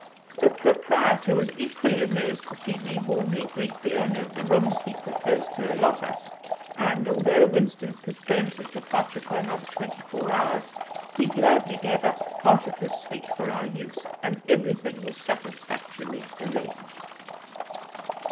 The proprietor was equally amazed to see me warmly greet the owner of the rooms he proposed to allot us, and, although Winston postponed his departure for another twenty four hours, he gladly gave up part of his suite for our use, and everything was satisfactorily arranged.